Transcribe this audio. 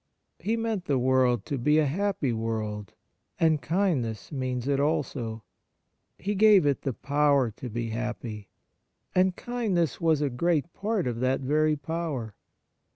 He meant the world to be a On Kindness in General 25 happy world, and kindness means it also. He gave it the power to be happy, and kindness was a great part of that very power.